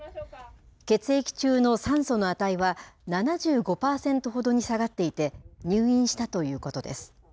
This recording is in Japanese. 血液中の酸素の値は、７５％ほどに下がっていて、入院したということです。